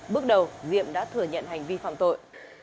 bước đầu diệm đã thừa nhận hành vi phạm tội